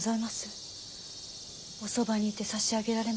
おそばにいてさしあげられませ。